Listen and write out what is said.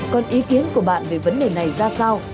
còn ý kiến của bạn về vấn đề này ra sao